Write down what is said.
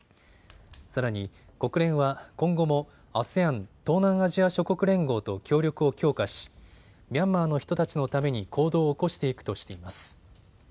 さらに国連は今後もＡＳＥＡＮ・東南アジア諸国連合と協力を強化しミャンマーの人たちのために行動を起こしていくとしています。